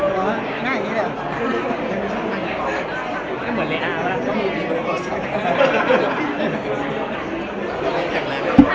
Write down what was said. อยากแรงไหม